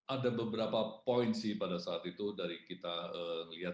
ada beberapa poin sih pada saat itu dari kita lihat